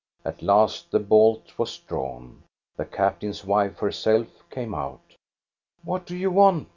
At last the bolt was drawn. The captain's wife herself came out. " What do you want?